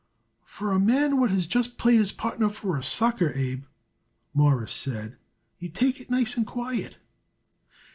"For a man what has just played his partner for a sucker, Abe," Morris said, "you take it nice and quiet."